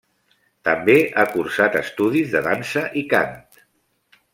També ha cursat estudis de dansa i cant.